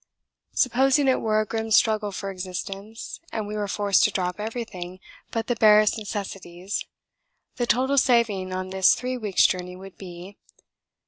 Supposing it were a grim struggle for existence and we were forced to drop everything but the barest necessities, the total saving on this three weeks' journey would be: lbs.